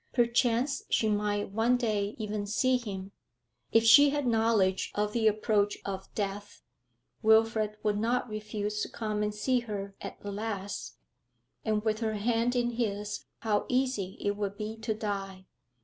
Perchance she might one day even see him. If she had knowledge of the approach of death, Wilfrid would not refuse to come and see her at the last, and with her hand in his how easy it would be to die.